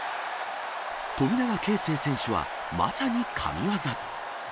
富永啓生選手はまさに神業。